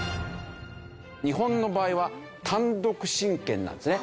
日本の場合は単独親権なんですね。